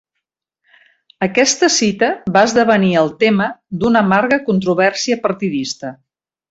Aquesta cita va esdevenir el tema d'una amarga controvèrsia partidista.